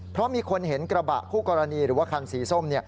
เพราะมีคนเห็นกระบะคู่กรณีหรือว่าคันสีส้ม